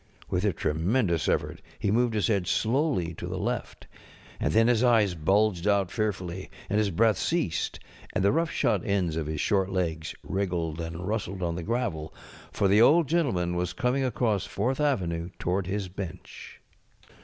With a tremendous effort he moved his head slowly to the left. And then his eyes bulged out fearfully, and his breath ceased, and the rough shod ends of his short legs wriggled and rustled on the gravel. 2Pi0o Thanksgixing Day Gentlemen 58 For* the'Old Gentleman was comiBg across Fonrtiii aTenuc toward his bench.